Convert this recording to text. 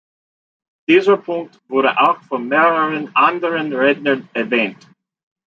Dieser Punkt wurde auch von mehreren anderen Rednern erwähnt.